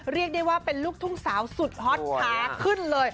เรียกได้ว่าเป็นลูกทุ่งสาวสุดฮอตช้าขึ้นเลย